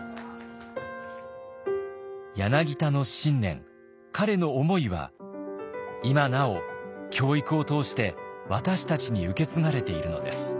柳田の信念彼の思いは今なお教育を通して私たちに受け継がれているのです。